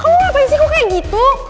oh ngapain sih kok kayak gitu